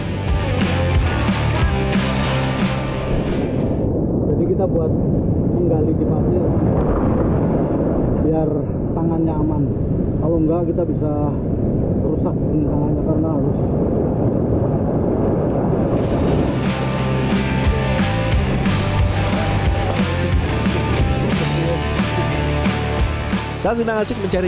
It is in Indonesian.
jadi kita buat menggali jimatnya ya